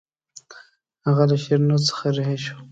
هغه له شیرینو څخه رهي شو.